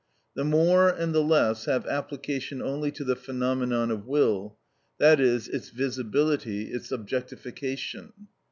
The more and the less have application only to the phenomenon of will, that is, its visibility, its objectification.